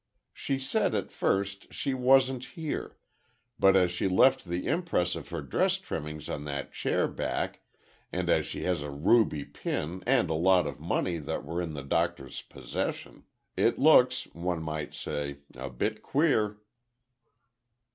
She said at first, she wasn't here, but as she left the impress of her dress trimmings on that chair back, and as she has a ruby pin and a lot of money that were in the Doctor's possession, it looks, one might say, a bit queer."